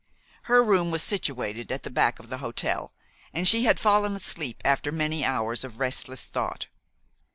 Her room was situated at the back of the hotel, and she had fallen asleep after many hours of restless thought.